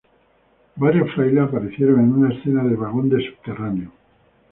Varios frailes aparecieron en una escena de vagón de subterráneo.